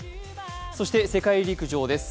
そして、世界陸上です。